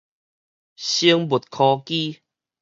生物科技